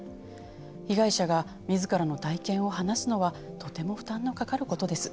被害者がみずからの体験を話すのはとても負担のかかることです。